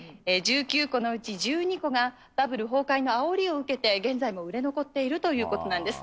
１９戸のうち１２戸が、バブル崩壊のあおりを受けて現在も売れ残っているということなんです。